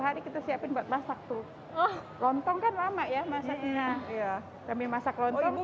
hari kita siapin buat masak tuh lontong kan lama ya masa dengan cash hai sambil masak aktif